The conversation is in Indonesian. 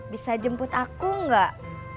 bisa jemput aku enggak